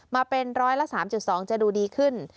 มาเป็นร้อยละ๓๒จะดูดีขึ้น